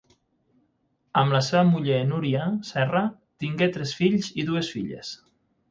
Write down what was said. Amb la seva muller Núria Serra tingué tres fills i dues filles.